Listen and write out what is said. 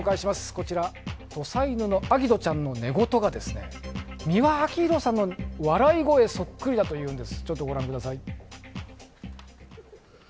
こちら、土佐犬の顎ちゃんの寝言が美輪明宏さんの笑い声そっくりだというんです